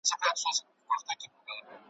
یو پاچا وي بل تر مرګه وړي بارونه ,